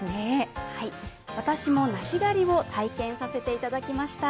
私も梨狩りを体験させていただきました。